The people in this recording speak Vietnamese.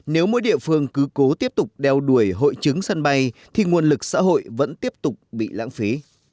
nếu mỗi địa phương cứ cố tiếp tục đeo đuổi hội chứng sân bay thì nguồn lực xã hội vẫn tiếp tục bị lãng phí